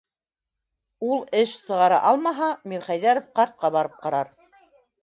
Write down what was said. Ул эш сығара алмаһа, Мирхәйҙәров ҡартҡа барып ҡарар.